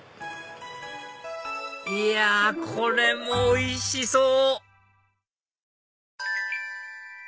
いやこれもおいしそう！